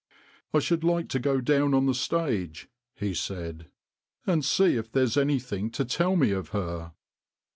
" I should like to go down on the stage," he said, " and see if there is anything to tell me of her."